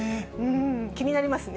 気になりますね。